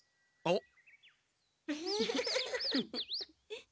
あっ。